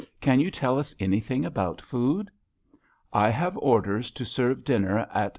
Can you tell us anything about food?" "I have orders to serve dinner at 7.